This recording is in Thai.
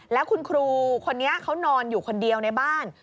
แล้วคุณครูคนนี้เขานอนอยู่คนเดียวในบ้าน